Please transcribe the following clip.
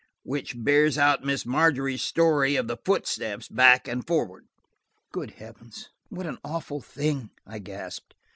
Which bears out Miss Margery's story of the footsteps back and forward." "Good heavens, what an awful thing!" I gasped.